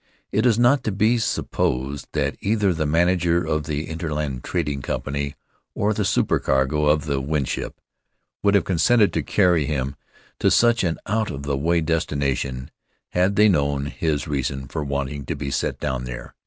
It is not to be supposed that either the manager of the Inter Island Trading Company or the supercargo of the Winship would have consented to carry him to such an out of the way destination had they known his reason for wanting to be set down there.